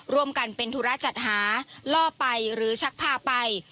ร่วมกันเป็นธุระจัดหาล่อไปหรือชักพาไป